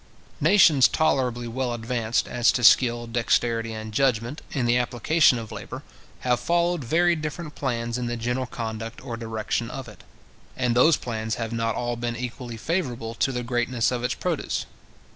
Nations tolerably well advanced as to skill, dexterity, and judgment, in the application of labour, have followed very different plans in the general conduct or direction of it; and those plans have not all been equally favourable to the greatness of its produce.